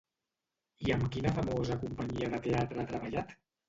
I amb quina famosa companyia de teatre ha treballat?